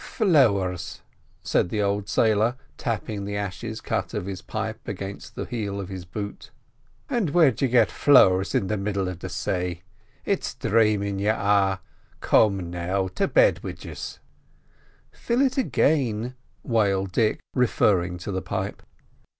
"Flowers!" said the old sailor, tapping the ashes out of his pipe against the heel of his boot. "And where'd you get flowers in middle of the say? It's dhramin' you are. Come now—to bed wid yiz!" "Fill it again," wailed Dick, referring to the pipe.